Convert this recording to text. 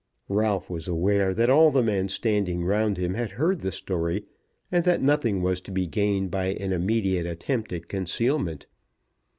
Ralph was aware that all the men standing round him had heard the story, and that nothing was to be gained by an immediate attempt at concealment.